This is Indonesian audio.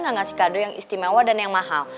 nggak ngasih kado yang istimewa dan yang mahal